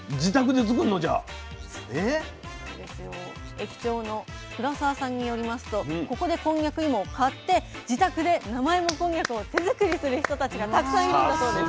駅長の倉澤さんによりますとここでこんにゃく芋を買って自宅で生芋こんにゃくを手作りする人たちがたくさんいるんだそうです。